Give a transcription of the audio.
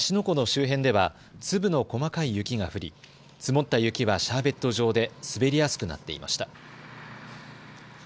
湖の周辺では粒の細かい雪が降り積もった雪はシャーベット状で滑りやすくなっていました。